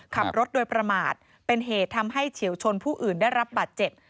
ขับรถโดยประมาทเป็นเหตุทำให้เฉียวชนผู้อื่นได้รับบาดเจ็บ